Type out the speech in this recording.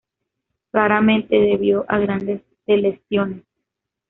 Raramente debido a grandes deleciones.